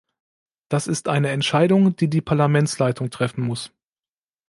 Das ist eine Entscheidung, die die Parlamentsleitung treffen muss.